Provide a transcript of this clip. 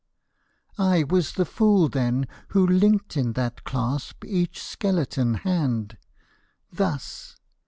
I was the fool then who linked in that clasp Each skeleton hand ; Thus